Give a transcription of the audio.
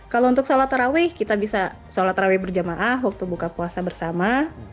kalau untuk sholat tarawih kita bisa sholat raweh berjamaah waktu buka puasa bersama